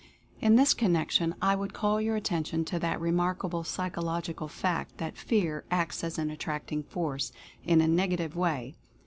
In this connection I would call your attention to that remarkable psychological fact that Fear acts as an attracting force, in a negative way.